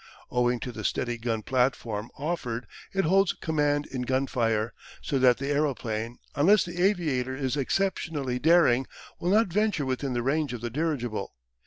Owing to the steady gun platform offered it holds command in gun fire, so that the aeroplane, unless the aviator is exceptionally daring, will not venture within the range of the dirigible.